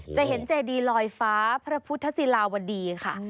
จะเห็นเจดีลอยฟ้าพระพุทธศิลาวดีค่ะ